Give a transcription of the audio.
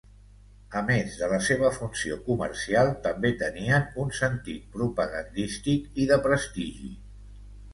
A més de la seva funció comercial, també tenien un sentit propagandístic i de prestigi.